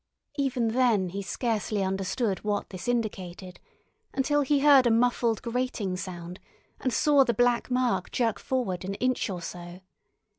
Even then he scarcely understood what this indicated, until he heard a muffled grating sound and saw the black mark jerk forward an inch or so.